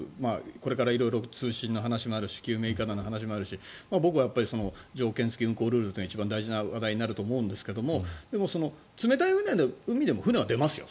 これから色々通信の話もあるし救命いかだの話もあるし僕は条件付き運航ルールというのが一番大事な話題になると思いますがでも、冷たい海でも船は出ますよ